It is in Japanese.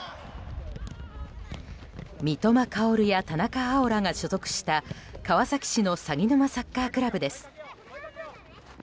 三笘薫や田中碧らが所属した川崎市のさぎぬまサッカークラブです。